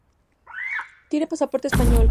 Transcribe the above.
Tiene pasaporte español.